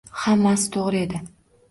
Hammasi to‘g‘ri edi.